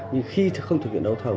nhưng khi không thực hiện đấu thầu